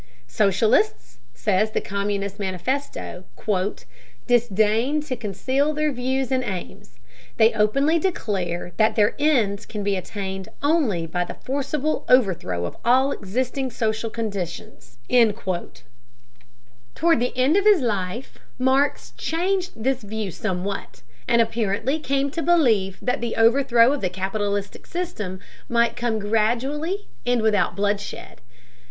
Socialists, says the Communist Manifesto, "disdain to conceal their views and aims. They openly declare that their ends can be attained only by the forcible overthrow of all existing social conditions." Toward the end of his life, Marx changed this view somewhat, and apparently came to believe that the overthrow of the capitalistic system might come gradually and without bloodshed.